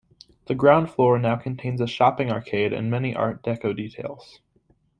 The ground floor now contains a shopping arcade and many art deco details.